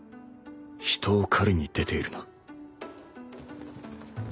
人を狩りに出ているな